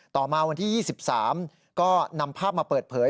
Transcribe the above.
ต่อมาวันที่๒๓ก็นำภาพมาเปิดเผย